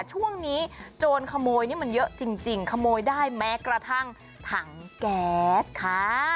ช่วงนี้โจรขโมยนี่มันเยอะจริงขโมยได้แม้กระทั่งถังแก๊สค่ะ